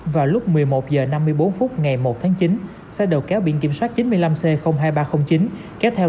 vào lúc một mươi một h năm mươi bốn phút ngày một tháng chín xe đầu kéo biển kiểm soát chín mươi năm c hai nghìn ba trăm linh chín kéo theo